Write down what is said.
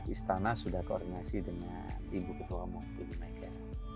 istana sudah koordinasi dengan ibu ketua umum di jamaica